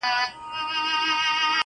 مرگه د هغه خوب تعبير چي په لاسونو کي دی,